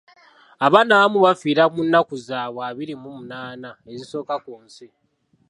Abaana abamu bafiira mu nnnaku zaabwe abiri mu omunaana ezisooka ku nsi.